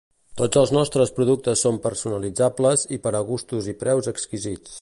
Tots els nostres productes són personalitzables i per a gustos i preus exquisits.